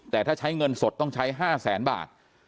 แต่ถ้าใช้เงินสดต้องใช้๕แสนบาท